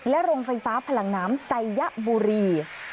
โรงไฟฟ้าพลังน้ำไซยบุรี